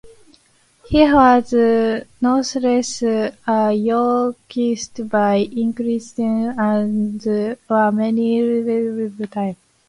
He was nonetheless a Yorkist by inclination, as were many Welshmen of the time.